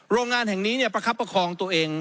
โรงงานแห่งนี้ประคับประคองตัวเอง